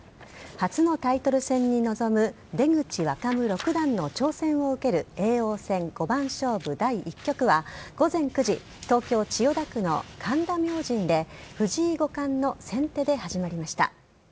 初のタイトル戦に臨む出口若武六段の挑戦を受ける叡王戦五番勝負第１局は午前９時東京・千代田区の神田明神で藤井五冠の先手で始まりました。